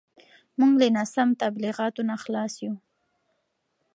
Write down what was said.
موږ له ناسم تبلیغاتو نه خلاص یو.